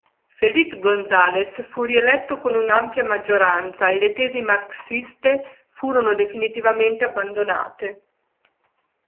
Felipe González fu rieletto con un'ampia maggioranza e le tesi marxiste furono definitivamente abbandonate.